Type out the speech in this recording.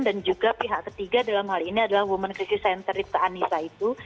dan juga pihak ketiga dalam hal ini adalah women crisis center ritka anissa itu